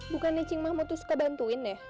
bukan nih cing mahmud suka bantuin ya